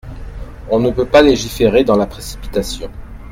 On ne peut pas légiférer dans la précipitation.